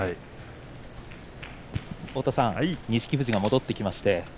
錦富士、戻ってきました。